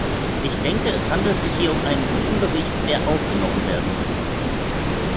Ich denke, es handelt sich hier um einen guten Bericht, der angenommen werden muss.